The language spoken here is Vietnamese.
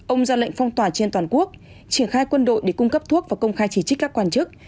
ông ra lệnh phong tỏa trên toàn quốc triển khai quân đội để cung cấp thuốc và công khai chỉ trích các quan chức